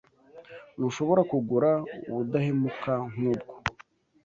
Ntushobora kugura ubudahemuka nk'ubwo.